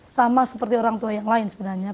sama seperti orang tua yang lain sebenarnya